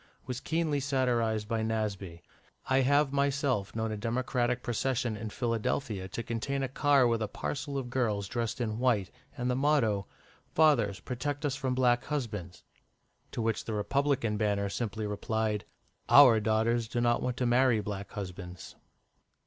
was keenly satirised by Nasby. I have myself known a Democratic procession in Philadelphia to contain a car with a parcel of girls dressed in white, and the motto, "Fathers, protect us from Black Husbands." To which the Republican banner simply replied, "Our Daughters do not want to marry Black Husbands."